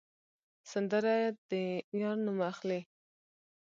سندره د یار نوم اخلي